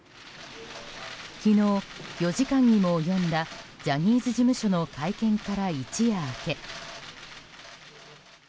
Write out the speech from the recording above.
昨日、４時間にも及んだジャニーズ事務所の会見から一夜明け。